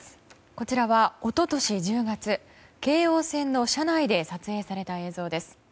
こちらは一昨年１０月、京王線の車内で撮影された映像です。